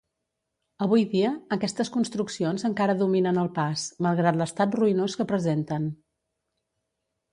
Avui dia, aquestes construccions encara dominen el pas, malgrat l'estat ruïnós que presenten.